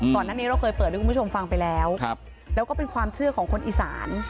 ก่อนหน้านี้เราเคยเปิดให้คุณผู้ชมฟังไปแล้วแล้วก็เป็นความเชื่อของคนอีสาน